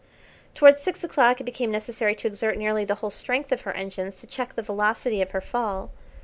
Towards six o'clock it became necessary to exert nearly the whole strength of her engines to check the velocity of her fall.